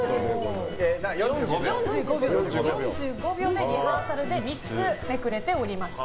４５秒でリハーサルで３つめくれておりました。